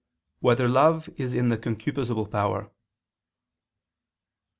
1] Whether Love Is in the Concupiscible Power?